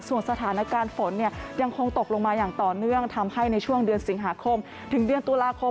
ส่วนสถานการณ์ฝนเนี่ยยังคงตกลงมาอย่างต่อเนื่องทำให้ในช่วงเดือนสิงหาคมถึงเดือนตุลาคม